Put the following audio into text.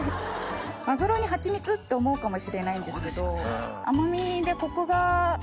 「マグロにハチミツ？」って思うかもしれないんですけど。